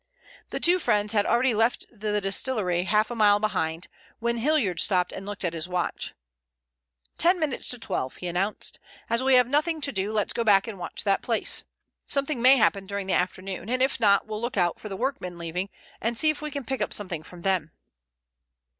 The two friends had already left the distillery half a mile behind, when Hilliard stopped and looked at his watch. "Ten minutes to twelve," he announced. "As we have nothing to do let's go back and watch that place. Something may happen during the afternoon, and if not we'll look out for the workmen leaving and see if we can pick up something from them."